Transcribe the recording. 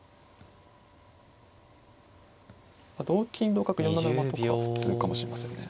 同金同角４七馬とか普通かもしれませんね。